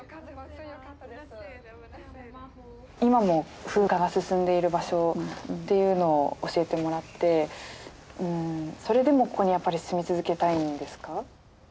今も風化が進んでいる場所っていうのを教えてもらってそれでもここにやっぱり住み続けたいんですか？